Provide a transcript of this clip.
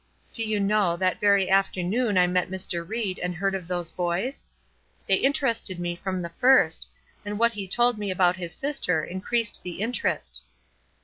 Do you know, that very afternoon I met Mr. Ried, and heard of those boys? They interested me from the first, and what he told me about his sister increased the interest.